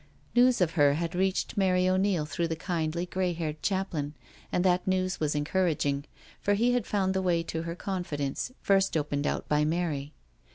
News of her had reached Mary O'Neil through the kindly, grey haired chaplain, and that news was en couraging, for he had found the way to her confidence, first opened out by Mary.